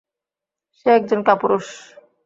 সে একজন কাপুরুষ!